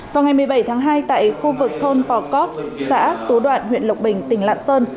vào ngày một mươi bảy tháng hai tại khu vực thôn pò cót xã tú đoạn huyện lộc bình tỉnh lạng sơn